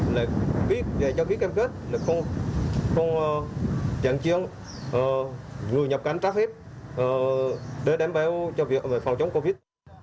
để biết về cho biết kém kết không dẫn chuyên người nhập cảnh trác hiếp để đảm bảo cho việc phòng chống covid